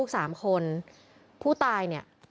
ส่วนของชีวาหาย